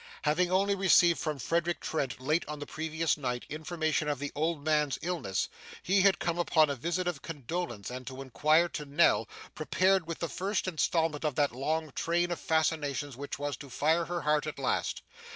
Having only received from Frederick Trent, late on the previous night, information of the old man's illness, he had come upon a visit of condolence and inquiry to Nell, prepared with the first instalment of that long train of fascinations which was to fire her heart at last.